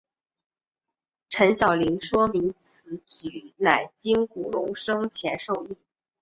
陈晓林说明此举乃经古龙生前授意。